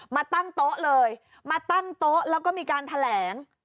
มาตั้งโต๊ะเลยมาตั้งโต๊ะแล้วก็มีการแถลง